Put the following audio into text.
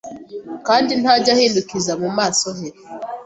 Kandi ntajya ahindukiza mu maso he